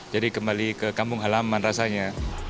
jadi kembali ke kampung halaman rasanya